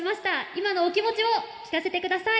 今のお気持ちを聞かせて下さい。